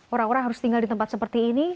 orang orang harus tinggal di tempat seperti ini